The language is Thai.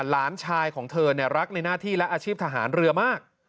หลานชายของเธอรักในหน้าที่และอาชีพทหารเรือมาก